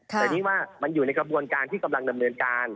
แต่นี่ว่ามันอยู่ในกระบวนการที่กำลังดำเนินการ